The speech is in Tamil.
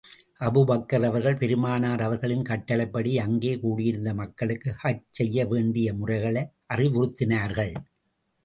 அபூபக்கர் அவர்கள் பெருமானார் அவர்களின் கட்டளைப்படி, அங்கே கூடியிருந்த மக்களுக்கு ஹஜ் செய்ய வேண்டிய முறைகளை அறிவுறுத்தினார்கள்.